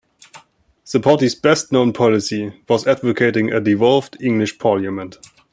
The party's best known policy was advocating a devolved English parliament.